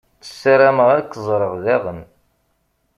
Sarameɣ ad k-ẓṛeɣ daɣen.